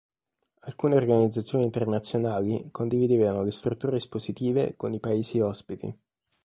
Alcune organizzazioni internazionali condividevano le strutture espositive con i Paesi ospiti.